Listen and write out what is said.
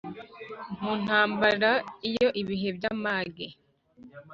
Mu ntambara, iyo ibihe by’amage